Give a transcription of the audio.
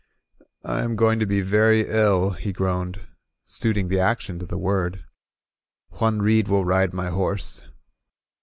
"I am going to be very ill," he groaned, suiting the action to the word. "Juan Reed will ride my horse."